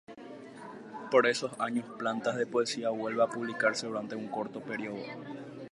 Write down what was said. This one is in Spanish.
Por esos años Planas de Poesía vuelve a publicarse durante un corto período.